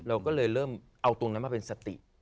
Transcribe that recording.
เราก็เลยเริ่มเอาตรงนั้นมาเป็นสติ